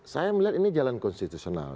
saya melihat ini jalan konstitusional